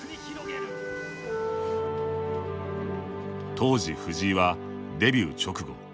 当時、藤井はデビュー直後。